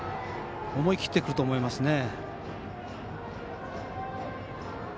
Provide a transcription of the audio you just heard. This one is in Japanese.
思い切ってくると思います。